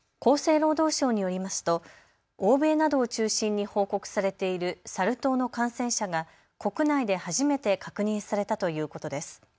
厚生労働省によりますと欧米などを中心に報告されているサル痘の感染者が国内で確認されたということです。